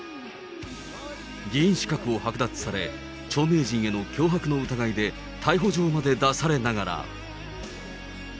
議員資格をはく奪され、著名人への脅迫の疑いで逮捕状まで出されながら。